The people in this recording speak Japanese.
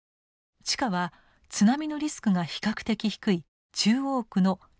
地価は津波のリスクが比較的低い中央区の７分の１でした。